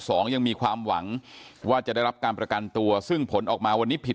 บอกว่าอาจารย์อย่างมี